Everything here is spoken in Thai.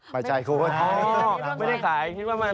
ไม่ได้ขาย